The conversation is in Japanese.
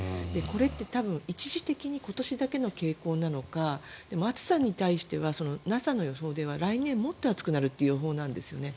これって多分一時的に、今年だけの傾向なのかでも暑さに対してはＮＡＳＡの予報では来年もっと暑くなるという予想なんですね。